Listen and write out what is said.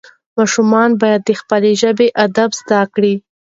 ماشومان باید د خپلې ژبې ادب زده کړي.